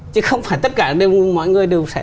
chứ không phải tất cả mọi người đều